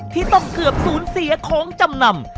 ที่ต้องเกือบสูญเสียของจำนำ